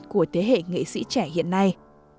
của thế hệ nghệ sĩ trẻ hiện nay